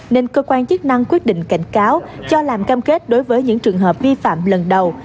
nên cơ quan chức năng quyết định cảnh cáo cho làm cam kết đối với những trường hợp vi phạm lần đầu